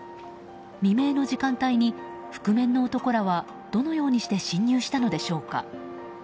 未明の時間帯に覆面の男らはどのようにして侵入したのでしょうか。